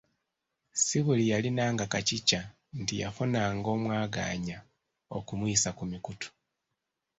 Si buli yalinanga kacica nti yafunanga omwagaanya okumuyisa ku mikutu